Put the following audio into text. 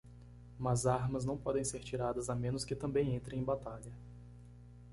Mas armas não podem ser tiradas a menos que também entrem em batalha.